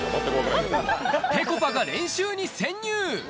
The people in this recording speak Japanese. ぺこぱが練習に潜入。